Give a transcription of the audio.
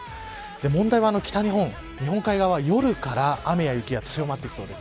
問題は北日本日本海側、夜から雨や雪が強まってきそうです。